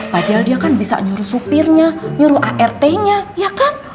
padahal dia kan bisa nyuruh supirnya nyuruh art nya ya kan